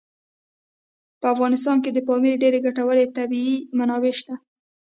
په افغانستان کې د پامیر ډېرې ګټورې طبعي منابع شته دي.